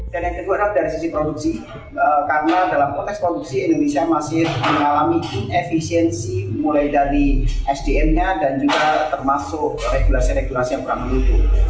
dan yang kedua enak dari sisi produksi karena dalam konteks produksi indonesia masih mengalami inefisiensi mulai dari sdm nya dan juga termasuk regulasi regulasi yang kurang menutup